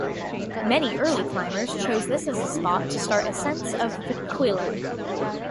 Many early climbers chose this as a spot to start ascents of the Cuillin.